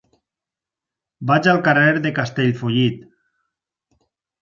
Vaig al carrer de Castellfollit.